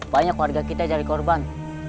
banyak keluarga kita jadi korban